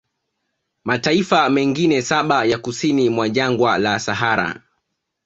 mataifa mengine saba ya kusini mwa jangwa la Sahara